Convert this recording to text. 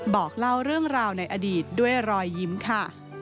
บอกเล่าเรื่องราวในอดีตด้วยรอยยิ้มค่ะ